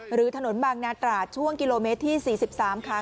หรือถนนบางนาตราดช่วงกิโลเมตรที่๔๓ค่ะ